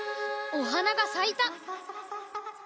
おはながさいた。